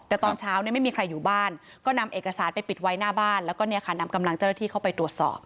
แต่ตอนเช้าเนี่ยไม่มีใครอยู่บ้านก็นำเอกสารไปปิดไว้หน้าบ้านแล้วก็เนี่ยค่ะนำกำลังเจ้าหน้าที่เข้าไปตรวจสอบ